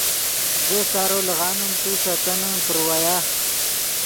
زو سارو لیغانیم تو ݰے تنن پراویا